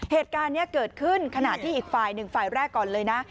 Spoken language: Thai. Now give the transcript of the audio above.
เหตุการณ์นี้เกิดขึ้นขณะที่อีกฝ่ายหนึ่งฝ่ายแรกก่อนเลยนะ